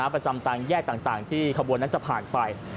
ประจำตามแยกต่างที่ขบวนนั้นจะผ่านไป